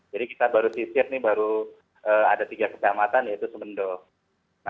jadi kita baru sisir baru ada tiga ketahamatan yaitu semendok